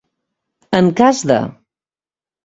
En cas de.